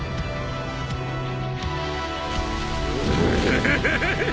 フフフフ。